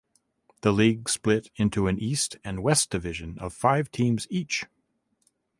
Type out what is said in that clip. The league split into an East and West division of five teams each.